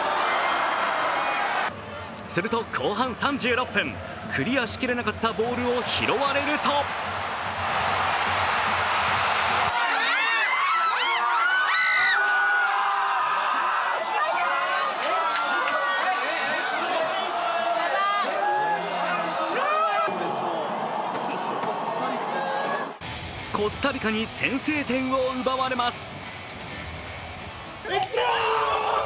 すると、後半３６分、クリアしきれなかったボールを拾われるとコスタリカに先制点を奪われます。